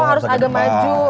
oh harus agak maju